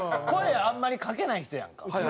声あんまりかけない人やんか。